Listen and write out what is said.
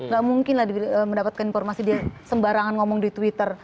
gak mungkin lah mendapatkan informasi dia sembarangan ngomong di twitter